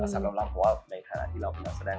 สำหรับเราเพราะว่าในขณะที่เราเป็นนักแสดง